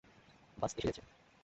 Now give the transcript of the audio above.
বাস এসে গেছে।